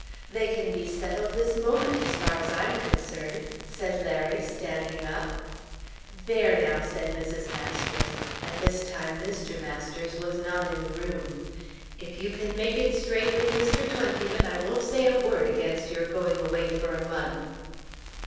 "They can be settled this moment as far as I am concerned," said Larry standing up. "There now," said Mrs. Masters. At this time Mr. Masters was not in the room. "If you can make it straight with Mr. Twentyman I won't say a word against your going away for a month."